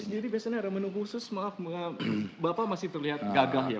jadi biasanya ada menu khusus maaf bapak masih terlihat gagah ya